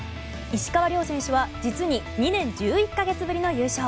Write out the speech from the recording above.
石川遼選手は実に２年１１か月ぶりの優勝。